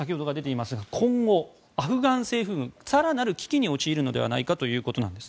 今後、アフガン政府軍は更なる危機に陥るんじゃないかということです。